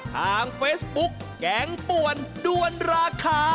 คุณแซนดรา